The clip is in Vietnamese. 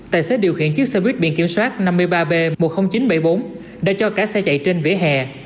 tài xế điều khiển chiếc xe buýt biển kiểm soát năm mươi ba b một mươi nghìn chín trăm bảy mươi bốn đã cho cả xe chạy trên vỉa hè